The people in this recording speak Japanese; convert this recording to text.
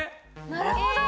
なるほど。